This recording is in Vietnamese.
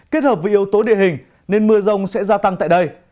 kết hợp với yếu tố địa hình nên mưa rông sẽ gia tăng tại đây